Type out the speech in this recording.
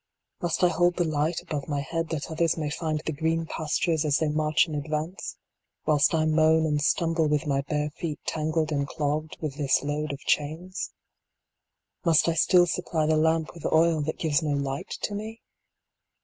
Must I hold the light above my head that others may find the green pastures as they march in advance, whilst I moan and stumble with my bare feet tangled and clogged with this load of chains ? Must I still supply the lamp with oil that gives no light to me